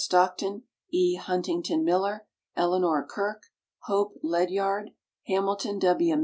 STOCKTON, E. HUNTINGTON MILLER, ELEANOR KIRK, HOPE LEDYARD, HAMILTON W.